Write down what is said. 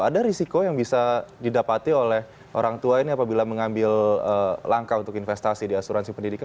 ada risiko yang bisa didapati oleh orang tua ini apabila mengambil langkah untuk investasi di asuransi pendidikan